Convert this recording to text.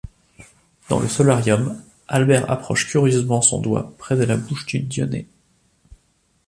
Dans le Solarium, Albert approche curieusement son doigt près de la bouche d'une dionée.